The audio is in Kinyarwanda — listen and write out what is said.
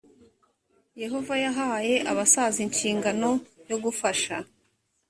yehova yahaye abasaza inshingano yo gufasha